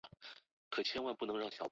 富查伊拉酋长国酋长